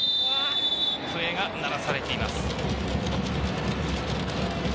笛が鳴らされています。